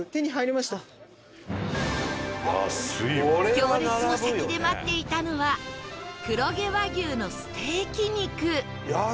行列の先で待っていたのは黒毛和牛のステーキ肉